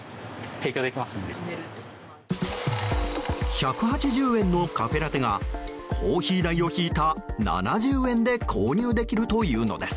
１８０円のカフェラテがコーヒー代を引いた７０円で購入できるというのです。